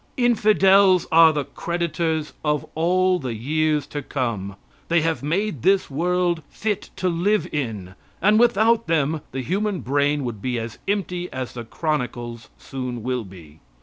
Infidels are the creditors of all the years to come. They have made this world fit to live in, and without them the human brain would be as empty as the Chronicles soon will be.